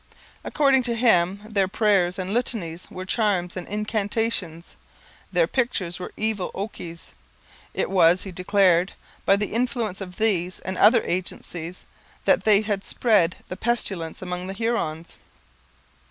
According to him their prayers and litanies were charms and incantations; their pictures were evil okies. It was, he declared, by the influence of these and other agencies that they had spread the pestilence among the Hurons.